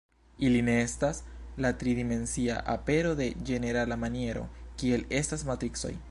Ili ne estas la tri dimensia apero de ĝenerala maniero, kiel estas matricoj.